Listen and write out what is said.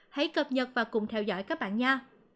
hãy cập nhật và cùng theo dõi các bạn nga